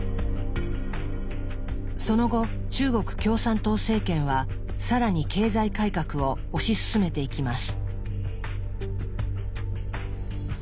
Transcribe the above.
その後中国共産党政権は更に経済改革を推し進めていきます。